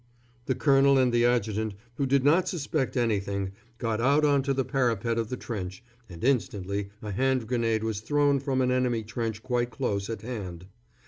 The colonel and the adjutant, who did not suspect anything, got out on to the parapet of the trench, and instantly a hand grenade was thrown from an enemy trench quite close at hand.